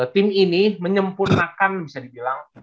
tim ini menyempurnakan bisa dibilang